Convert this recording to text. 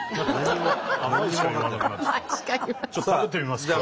ちょっと食べてみますか！